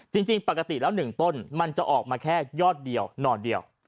จริงปกติแล้ว๑ต้นมันจะออกมาแค่ยอดเดียวหน่อเดียว